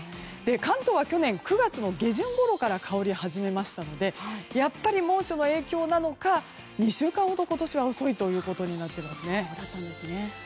関東は去年９月下旬ごろから香り始めましたのでやっぱり猛暑の影響なのか２週間ほど今年は遅いということになっています。